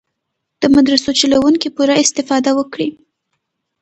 د مدرسو چلوونکي پوره استفاده وکړي.